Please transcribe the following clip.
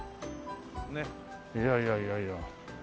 いやいやいやいや。